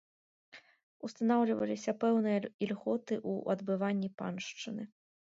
Устанаўліваліся пэўныя ільготы ў адбыванні паншчыны.